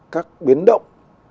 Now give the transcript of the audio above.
các biến động